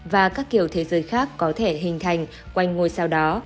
và các kiểu thế giới khác có thể hình thành quanh ngôi sao đó